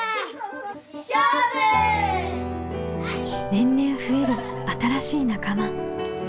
年々増える新しい仲間。